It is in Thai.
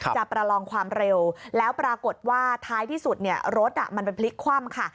ประลองความเร็วแล้วปรากฏว่าท้ายที่สุดรถมันไปพลิกคว่ำค่ะ